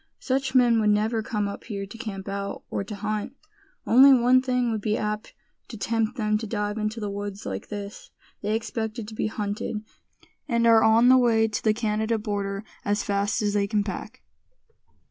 "Such men would never come up here to camp out, or to hunt. Only one thing would be apt to tempt them to dive into the woods like this; they expected to be hunted, and are on the way to the Canada border as fast as they can pack."